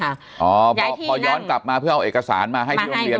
ค่ะอ๋อย้ายที่นั่งกลับมาเพื่อเอาเอกสารมาให้ที่โรงเรียน